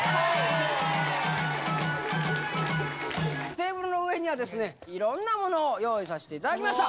テーブルの上には、いろんなものを用意させていただきました。